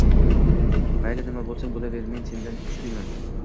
– Mayli, nima bo‘lsang bo‘laver, men sendan kuchliman!